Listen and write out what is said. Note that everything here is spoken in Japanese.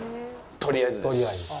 「とりあえず」です。